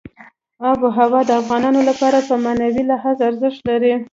آب وهوا د افغانانو لپاره په معنوي لحاظ ارزښت لري.